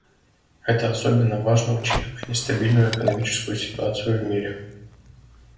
Это особенно важно, учитывая нестабильную экономическую ситуацию в мире.